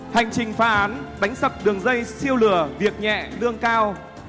hành trình phá án đánh sập đường dây siêu lừa việc nhẹ lương cao